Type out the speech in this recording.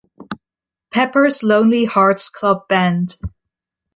Pepper's Lonely Hearts Club Band.